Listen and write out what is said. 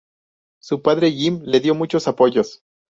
Su padre Jim le dio muchos apoyos.